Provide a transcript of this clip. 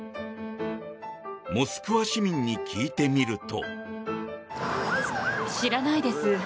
モスクワ市民に聞いてみると。